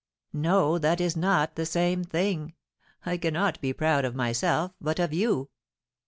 "No, that is not the same thing; I cannot be proud of myself, but of you.